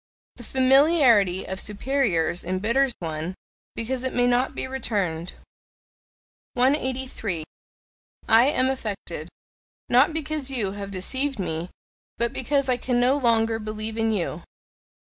The familiarity of superiors embitters one, because it may not be returned. 183. "I am affected, not because you have deceived me, but because I can no longer believe in you."